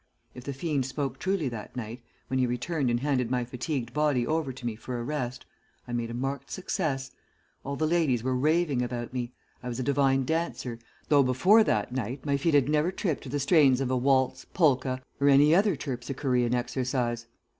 If the fiend spoke truly that night, when he returned and handed my fatigued body over to me for a rest, I made a marked success; all the ladies were raving about me; I was a divine dancer, though before that night my feet had never tripped to the strains of a waltz, polka, or any other terpsichorean exercise.